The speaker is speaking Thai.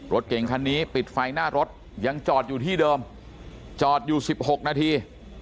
รถเก่งคันนี้ปิดไฟหน้ารถยังจอดอยู่ที่เดิมจอดอยู่๑๖นาที